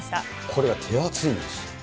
これが手厚いんです。